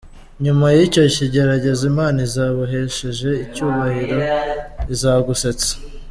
nyuma yicyokigeragezo Imana uzabuhesheje icyubahiro izagusetsa.